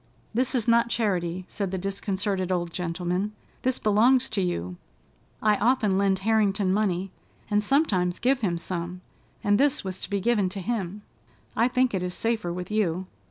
"This is not charity," said the disconcerted old gentleman. "This belongs to you. I often lend Harrington money, and sometimes give him some, and this was to be given to him. I think it is safer with you.